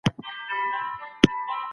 چې پایله یې حتمي ده.